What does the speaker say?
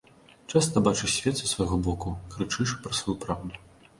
Часта бачыш свет са свайго боку, крычыш пра сваю праўду.